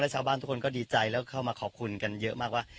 ชาวบ้านทุกคนก็ดีใจแล้วเข้ามาขอบคุณกันเยอะมากว่า